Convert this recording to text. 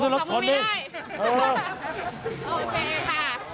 อาจารย์บอกสองมือไหมคะอาจารย์